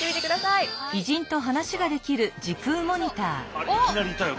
あれいきなりいたよ